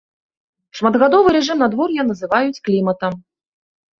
Шматгадовы рэжым надвор'я называюць кліматам.